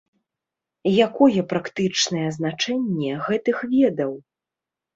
Якое практычнае значэнне гэтых ведаў?